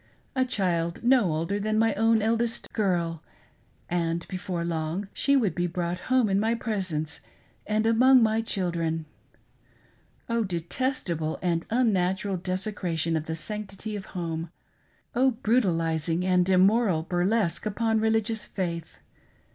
— a child no older than my own eldest girl ; and before long she would be brought home in my presence and among my children! Oh, detestable and unnatural desecration of the sanctity of home! Oh brutal ising and immoral burlesque upon religious faith